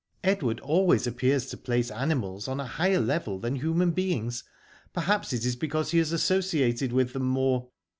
Edward always appears to place animals on a higher level than human beings; perhaps it is because he has associated with them more."